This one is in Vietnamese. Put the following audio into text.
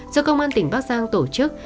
do công an tỉnh bắc giang tổ chức